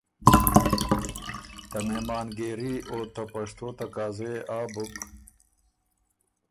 ته مهمان ګېري او ته پشتو تقاضۀ يې آ بُک